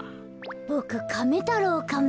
ボクカメ太郎カメ。